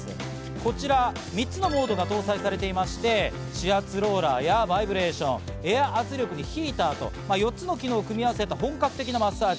こちらは３つのモードが搭載されていまして、指圧ローラーやバイブレーション、エア圧力にヒーターと４つの機能を組み合わせた本格的なマッサージ。